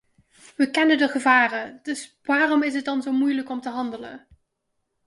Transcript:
We kennen de gevaren, dus waarom is het dan zo moeilijk om te handelen?